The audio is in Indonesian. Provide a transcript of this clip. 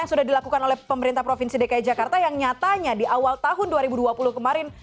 yang sudah dilakukan oleh pemerintah provinsi dki jakarta yang nyatanya di awal tahun dua ribu dua puluh kemarin